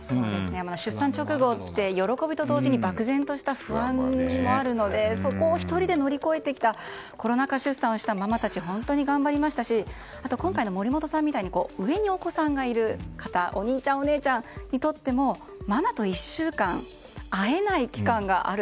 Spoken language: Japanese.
出産直後って喜びと同時に漠然とした不安もあるのでそこを１人で乗り越えてきたコロナ禍出産したママたち、本当に頑張りましたし今回の森本さんみたいに上にお子さんがいる方お兄ちゃんお姉ちゃんにとってもママと１週間会えない期間がある。